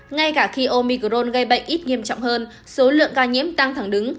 ngay cả khi omicron gây bệnh ít nghiêm trọng hơn số lượng ca nhiễm tăng thẳng đứng